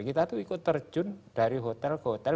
kita tuh ikut terjun dari hotel ke hotel